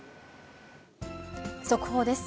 速報です。